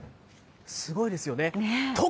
すごいですよね。